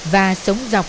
và sống dọc